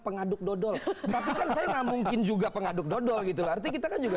pengaduk dodol khususnya yang mungkin juga pengaduk dodol itu harinya juga